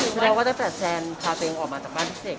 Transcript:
คือเราก็ตั้งแต่แซนพาตัวเองออกมาจากบ้านพิเศษ